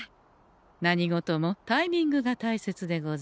何事もタイミングが大切でござんす。